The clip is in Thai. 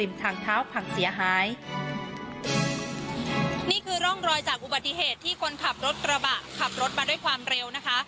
ริมทางเท้าพังเสียหายนี่คือร่องลอยจากอุบัติเหตุที่คนขับรถกระบะขับรถมาด้วยความเร็วนะคะ